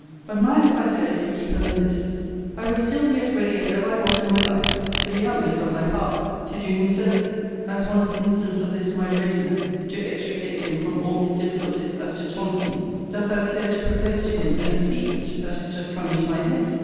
But mine, as I said, is deeper than this: I would still be as ready as ever I was in my life, to the utmost of my power, to do him service. As once instance of this my readiness to extricate him from all his difficulties as to Thomasine, dost thou care to propose to him an expedient, that is just come into my head?